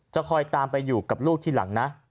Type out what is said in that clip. คอยตามไปอยู่กับลูกทีหลังนะ